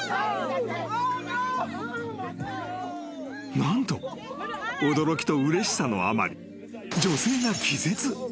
［何と驚きとうれしさのあまり女性が］